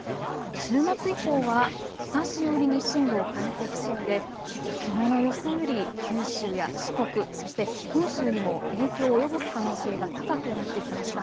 週末以降は東寄りに進路を変えてきそうできのうの予想より九州や四国、そして本州にも影響を及ぼす可能性が高くなってきました。